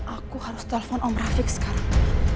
aku harus telepon om grafik sekarang